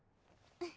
うん！